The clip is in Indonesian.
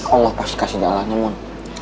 allah pasti kasih dalahnya mon